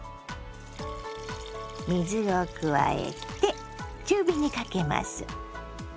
水を加えて中火にかけます。